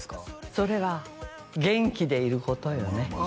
それは元気でいることよねああ